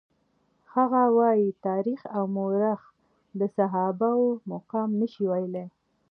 هغه وايي تاریخ او مورخ د صحابه وو مقام نشي ویلای.